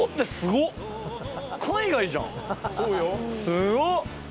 すごっ。